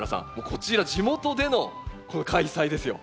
こちら地元での開催ですよ。